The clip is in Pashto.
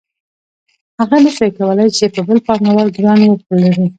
هغه نشوای کولی په بل پانګوال ګران وپلوري